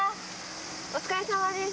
お疲れさまです。